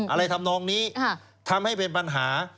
ทำนองนี้ทำให้เป็นปัญหา